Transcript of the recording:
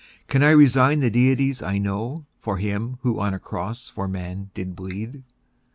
Can I resign the deities I know For him who on a cross for man did bleed?